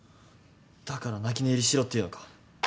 だから泣き寝入りしろっていうのか。